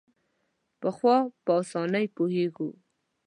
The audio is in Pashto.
پخوا په اسانۍ پوهېږو.